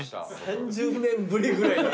３０年ぶりぐらいに。